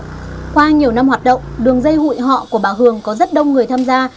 qua nhiều năm hoạt động đường dây hụi họ của bà hường có rất đông người tham gia